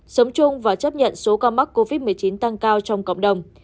sống chung và chấp nhận số ca mắc covid một mươi chín tăng cao trong cộng đồng